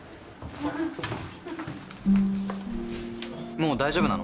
もう大丈夫なの？